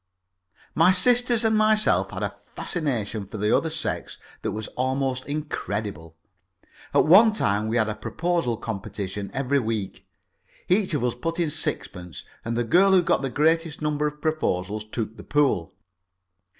My sisters and myself had a fascination for the other sex that was almost incredible. At one time we had a Proposal Competition every week; each of us put in sixpence, and the girl who got the greatest number of proposals took the pool.